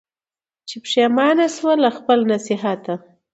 چي پښېمانه سوه له خپله نصیحته